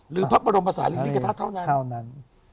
หรือพระบรมศาลินิกษาธาตุเท่านั้น